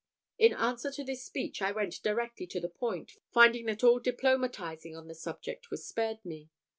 In answer to this speech, I went directly to the point, finding that all diplomatising on the subject was spared me.